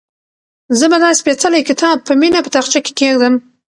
زه به دا سپېڅلی کتاب په مینه په تاقچه کې کېږدم.